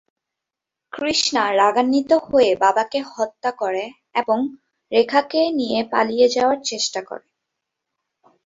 কৃষ্ণা রাগান্বিত হয়ে বাবাকে হত্যা করে এবং রেখাকে নিয়ে পালিয়ে যাওয়ার চেষ্টা করে।